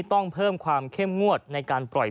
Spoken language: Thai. ต้องเพิ่มความเข้มงวดในการปล่อย